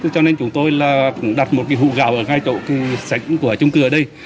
cho nên chúng tôi cũng đặt một hụt gạo ở ngay chỗ sảnh của chung cư ở đây